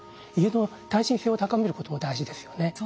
家の耐震性を高めることも大事ですよね。